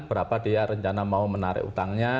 berapa dia rencana mau menarik utangnya